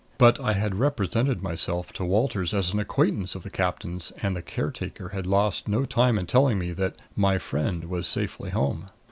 But I had represented myself to Walters as an acquaintance of the captain's and the caretaker had lost no time in telling me that "my friend" was safely home.